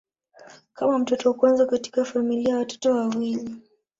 Kama mtoto wa kwanza katika familia ya watoto wawili.